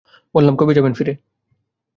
বললাম, কবে যাবেন ফিরে।